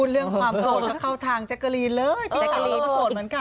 เรื่องความโฆษก็เข้าทางแจ็คเกอรีนเลยปีเต๋าแล้วก็โฆษเหมือนกัน